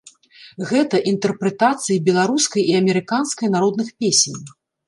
Гэта інтэрпрэтацыі беларускай і амерыканскай народных песень.